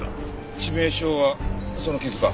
致命傷はその傷か。